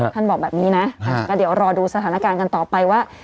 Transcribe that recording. ท่านบอกแบบนี้นะก็เดี๋ยวรอดูสถานการณ์กันต่อไปว่า